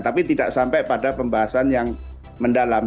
tapi tidak sampai pada pembahasan yang mendalam